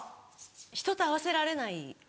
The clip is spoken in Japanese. ひとと合わせられない。